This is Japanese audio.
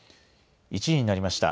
１時になりました。